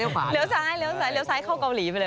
เลี้ยวซ้ายเข้าเกาหลีไปเลย